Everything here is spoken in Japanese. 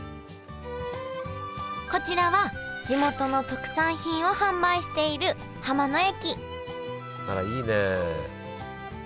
こちらは地元の特産品を販売している浜の駅あらいいね。